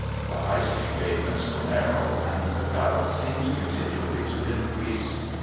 The High Street pavements were narrow, and the crowd seemed continually to increase.